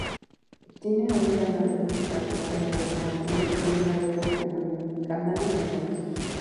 Tiene un canal principal o matriz con una red de canales menores.